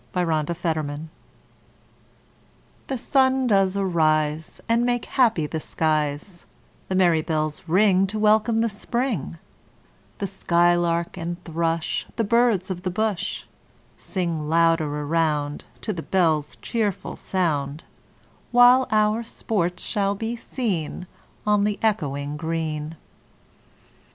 The Echoing Green The Sun does arise, And make happy the skies; The merry bells ring To welcome the Spring; The skylark and thrush, The birds of the bush, Sing lounder around To the bells' chearful sound, While our sports shall be seen On the Echoing Green.